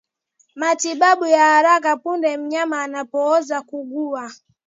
Matibabu ya haraka punde mnyama anapoanza kuugua